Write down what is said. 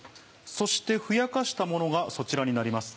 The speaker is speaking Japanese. そしてふやかしたものがそちらになります。